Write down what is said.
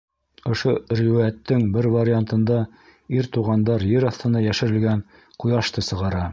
Ошо риүәйәттең бер вариантында ир туғандар ер аҫтына йәшерелгән ҡояшты сығара.